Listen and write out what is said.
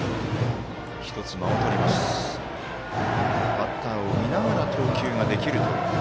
バッターを見ながら投球できるという。